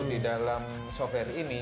di dalam software ini